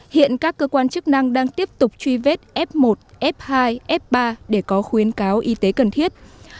hiện các cơ quan chức năng đang tiếp tục truy vết f một f hai f ba để có khuyến cáo y tế cần thiết